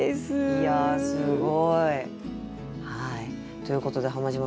いやすごい。ということで浜島さん